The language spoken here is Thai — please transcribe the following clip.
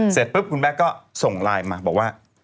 เสร็จปุ๊บคุณแบ็คก็ส่งไลน์มาบอกว่า